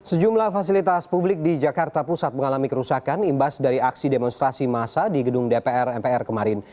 sejumlah fasilitas publik di jakarta pusat mengalami kerusakan imbas dari aksi demonstrasi massa di gedung dpr mpr kemarin